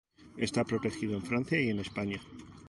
Está protegido en Francia y en España.